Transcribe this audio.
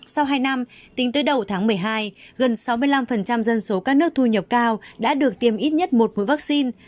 sau hai năm tính tới đầu tháng một mươi hai gần sáu mươi năm dân số các nước thu nhập cao đã được tiêm ít nhất một khối vaccine